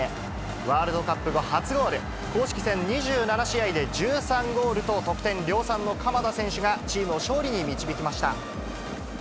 ワールドカップ後初ゴール、公式戦２７試合で１３ゴールと得点量産の鎌田選手が、チームを勝利に導きました。